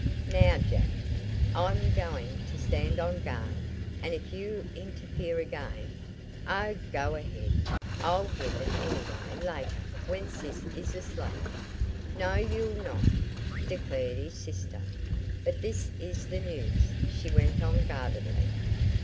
"Now, Jack, I'm going to stand on guard, and if you interfere again " "Oh, go ahead. I'll get it, anyway, later, when sis is asleep." "No, you'll not!" declared his sister. "But this is the news," she went on guardedly.